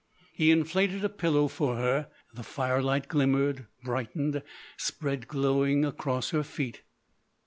He inflated a pillow for her; the firelight glimmered, brightened, spread glowing across her feet.